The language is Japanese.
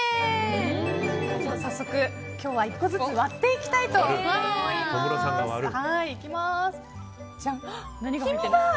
早速、今日は１個ずつ割っていきたいと思います。